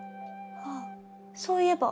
あっそういえば。